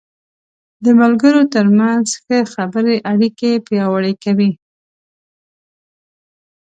د ملګرو تر منځ ښه خبرې اړیکې پیاوړې کوي.